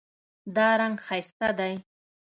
دا رنګ ښایسته دی